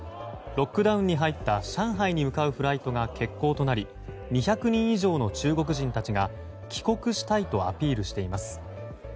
ロックダウンに入った上海に向かうフライトが欠航となり２００人以上の中国人たちが帰国したいとアピールしています。